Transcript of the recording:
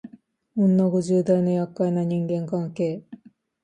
女五十代のやっかいな人間関係